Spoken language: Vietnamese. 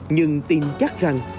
nhưng tin chắc rằng